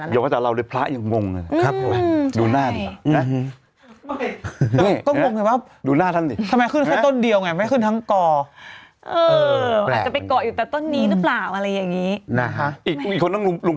อย่างกว่าแต่เราเลยพระอย่างงง